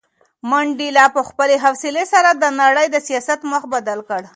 منډېلا په خپلې حوصلې سره د نړۍ د سیاست مخ بدل کړ.